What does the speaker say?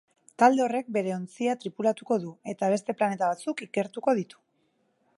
Talde horrek bere ontzia tripulatuko du eta beste planeta batzuk ikertuko ditu.